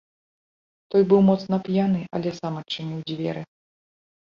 Той быў моцна п'яны, але сам адчыніў дзверы.